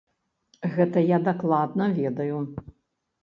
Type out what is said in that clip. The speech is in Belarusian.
Гэта я дакладна ведаю.